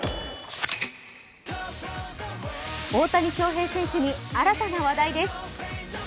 大谷翔平選手に新たな話題です。